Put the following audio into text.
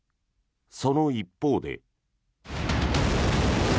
その一方で。